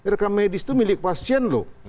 rekam medis itu milik pasien loh